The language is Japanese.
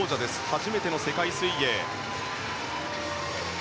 初めての世界水泳。